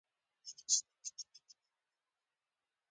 دا يې ستره مدعا ده